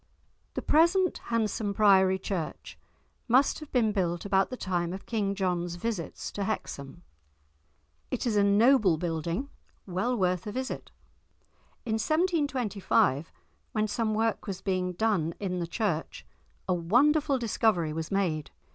The present handsome priory church must have been built about the time of King John's visits to Hexham. It is a noble building, well worth a visit. In 1725, when some work was being done in the church, a wonderful discovery was made.